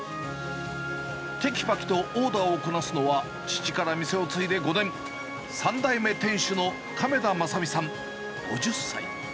てきぱきとオーダーをこなすのは、父から店を継いで５年、３代目店主の亀田正巳さん５０歳。